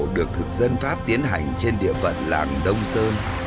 được thực dân pháp tiến hành trên địa phận làng đông sơn